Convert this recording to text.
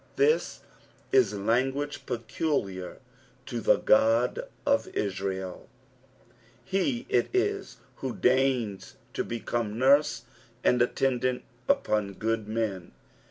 Thia is language peculiar to the God of Israel : he it is who deieus to become nurse and attendant upon good mt!D.